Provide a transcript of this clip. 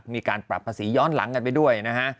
มีการปรับภาษีย้อนหลังกันไปด้วยนะฮะ